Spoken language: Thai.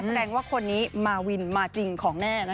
แสดงว่าคนนี้มาวินมาจริงของแน่นะคะ